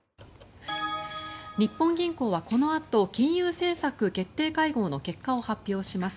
日本銀行はこのあと金融政策決定会合の結果を発表します。